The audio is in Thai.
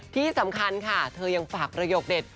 ที่สำคัญค่ะเธอยังฝากประโยคเด็ด